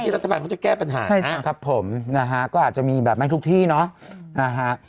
เราจะแก้ปัญหาครับผมนะฮะก็อาจจะมีแบบไม่ทุกที่เนอะอ่าฮะ